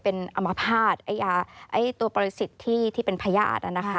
เป็นอมภาษณ์ตัวประสิทธิ์ที่เป็นพญาติ